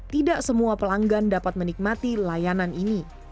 tidak semua pelanggan dapat menikmati layanan ini